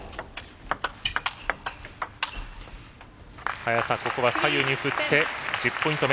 早田、ここは左右に振って１０ポイント目。